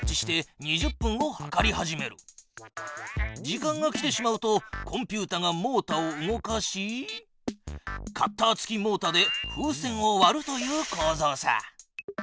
時間が来てしまうとコンピュータがモータを動かしカッター付きモータで風船をわるというこうぞうさ。